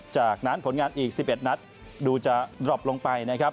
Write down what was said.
จากนั้นผลงานอีก๑๑นัดดูจะดรอบลงไปนะครับ